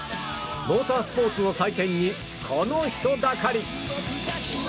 モータースポーツの祭典にこの人だかり。